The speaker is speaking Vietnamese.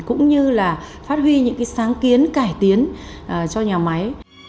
cũng như là phát huy những cái sáng kiến cải tiến cho nhà máy